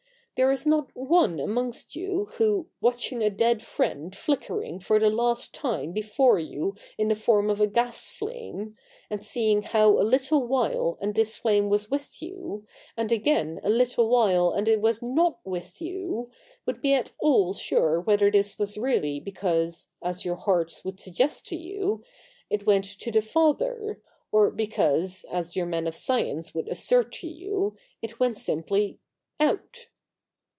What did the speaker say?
There is not one amongst you who, watching a dead friend flickering for the last time before you in the form of a gas flame, and seeing how a little while and this flame was with you, and again a little while and it was not with you, would be at all sure whether this was really because, as your hearts would suggest to you, it went to the Father, or because, as your men of science would assert to you, it went simply — out.